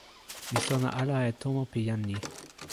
mi sona ala e tomo pi jan ni.